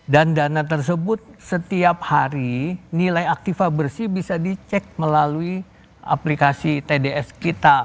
dan dana tersebut setiap hari nilai aktifa bersih bisa dicek melalui aplikasi tds kita